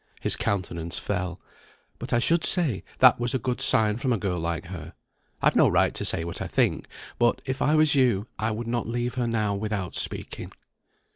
His countenance fell. "But I should say that was a good sign from a girl like her. I've no right to say what I think; but, if I was you, I would not leave her now without speaking."